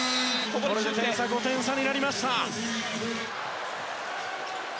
これで点差は５点差になりました。